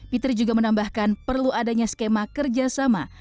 peter juga menambahkan perlu adanya skema kerjasama